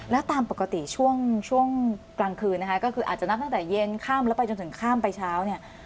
แล้วตามปกติช่วงกลางคืนนะคะก็คืออาจจะนับตั้งแต่เย็นข้ามแล้วไปจนถึงข้ามไปเช้าเนี่ย